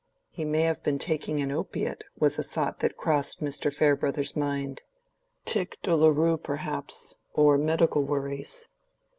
"He may have been taking an opiate," was a thought that crossed Mr. Farebrother's mind—"tic douloureux perhaps—or medical worries."